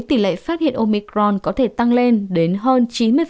tỷ lệ phát hiện omicron có thể tăng lên đến hơn chín mươi